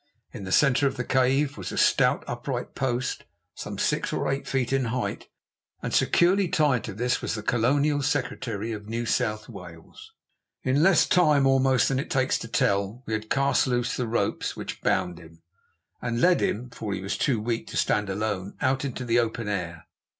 In the centre of the cave was a stout upright post, some six or eight feet in height, and securely tied to this was the Colonial Secretary of New South Wales. In less time almost than it takes to tell, we had cast loose the ropes which bound him, and led him, for he was too weak to stand alone, out into the open air.